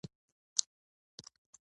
ډاکټر ته کله ورشو؟